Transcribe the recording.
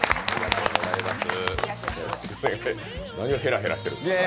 何をヘラヘラしてるんですか？